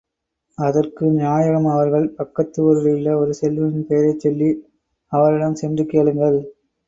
அதற்கு நாயகம் அவர்கள், பக்கத்து ஊரிலுள்ள ஒரு செல்வனின் பெயரைச் சொல்லி, அவரிடம் சென்று கேளுங்கள்.